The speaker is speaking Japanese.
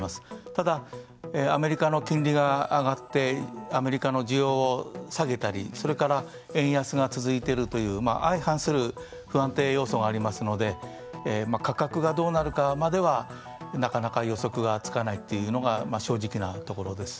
ただ、アメリカの金利が上がってアメリカの需要を下げたり円安が続いているという相反する不安定要素がありますので価格がどうなるかまではなかなか予測がつかないというのが正直なところです。